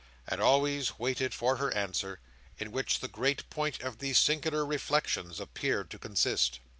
And always waited for her answer, in which the great point of these singular reflections appeared to consist.